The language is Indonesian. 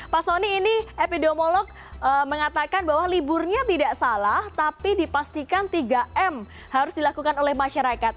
pak soni ini epidemiolog mengatakan bahwa liburnya tidak salah tapi dipastikan tiga m harus dilakukan oleh masyarakat